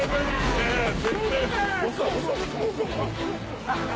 ハハハハ！